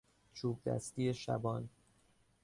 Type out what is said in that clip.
چوبدستی شبان